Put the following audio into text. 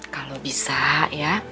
kalau bisa ya